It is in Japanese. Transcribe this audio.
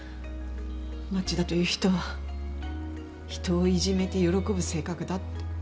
町田という人は人をいじめて喜ぶ性格だって。